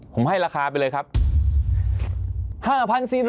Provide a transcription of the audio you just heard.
ผมให้ราคาไปเลยครับ๕๔๐๐บาท